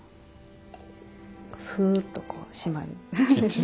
すっとこう閉まる。